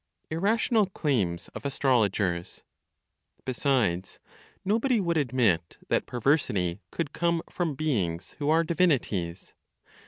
IRRATIONAL CLAIMS OF ASTROLOGERS. Besides, nobody would admit that perversity could come from beings who are divinities.